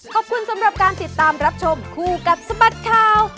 ขอบคุณสำหรับการติดตามรับชมคู่กับสบัดข่าว